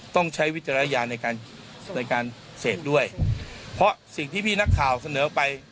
ใช้วิจารณญาณในการในการเสพด้วยเพราะสิ่งที่พี่นักข่าวเสนอไป